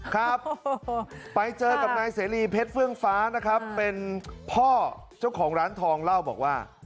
ครับไปเจอกับนายเสรีเพชรเฟื่องฟ้านะครับเป็นพ่อเจ้าของร้านทองเล่าบอกว่า